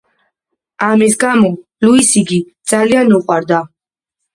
ამის გამო ლუის იგი ძალიან უყვარდა.